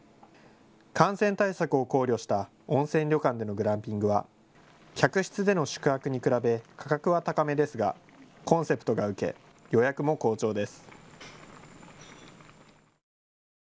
感染対策を考慮した温泉旅館でのグランピングは客室での宿泊に比べ、価格は高めですがコンセプトが受け、予約も好調です。